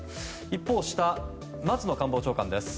一方、松野官房長官です。